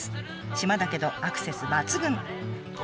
島だけどアクセス抜群。